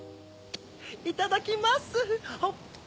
いただきます！